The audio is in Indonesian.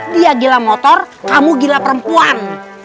dia gila motor kamu gila perempuan